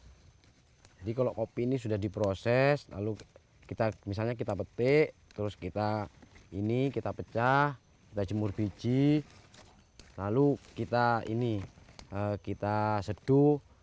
jadi kalau kopi ini sudah diproses lalu kita misalnya kita petik terus kita ini kita pecah kita jemur biji lalu kita ini kita seduh